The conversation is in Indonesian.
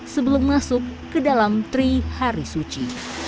sebelum masuk ke dalam trihari suci